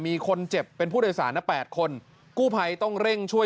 มีคนเจ็บเป็นผู้โดยสารนะ๘คนกู้ภัยต้องเร่งช่วย